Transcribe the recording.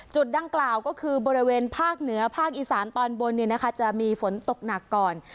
ดังกล่าวก็คือบริเวณภาคเหนือภาคอีสานตอนบนจะมีฝนตกหนักก่อน